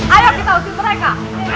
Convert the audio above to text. ayo kita usir mereka